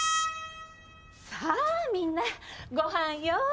さあみんなご飯よ。